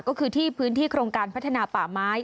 ก็คือที่พื้นที่โครงการพัฒนาป่าไม้